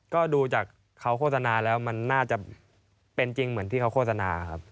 ก็ดูจากเขาโฆษณาแล้วมันน่าจะเป็นจริงเหมือนที่เขาโฆษณาครับ